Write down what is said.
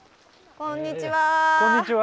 こんにちは。